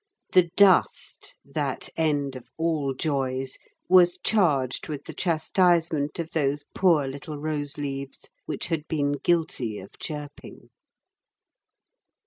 The dust, that end of all joys, was charged with the chastisement of those poor little rose leaves which had been guilty of chirping.